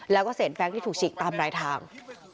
แล้วก็เศษแฟ้งที่ถูกฉีกตามรายทาง